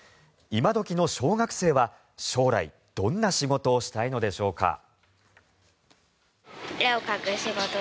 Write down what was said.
今時の小学生は将来、どんな仕事をしたいのでしょうか。